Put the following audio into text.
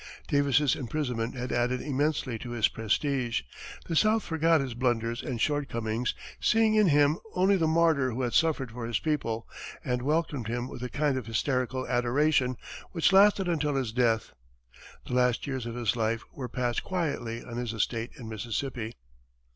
Davis's imprisonment had added immensely to his prestige. The South forgot his blunders and short comings, seeing in him only the martyr who had suffered for his people, and welcomed him with a kind of hysterical adoration, which lasted until his death. The last years of his life were passed quietly on his estate in Mississippi.